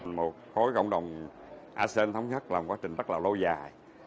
một khối cộng đồng asean thống nhất là một quá trình rất là lâu dài